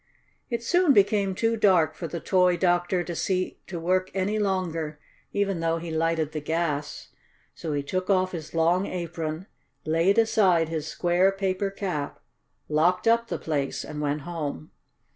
It soon became too dark for the toy doctor to see to work any longer, even though he lighted the gas. So he took off his long apron, laid aside his square, paper cap, locked up the place and went home.